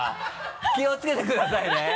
気をつけてくださいね。